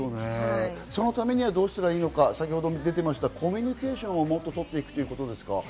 そのためにはどうしたらいいのか、コミュニケーションをもっと取っていくということですか？